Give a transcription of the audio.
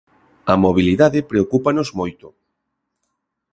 A mobilidade preocúpanos moito.